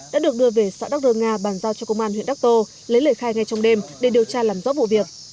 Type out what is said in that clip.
đã được đưa về xã đắc rơ nga bàn giao cho công an huyện đắc tô lấy lời khai ngay trong đêm để điều tra làm rõ vụ việc